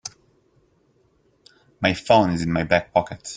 My phone is in my back pocket.